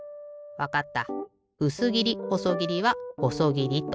わかった。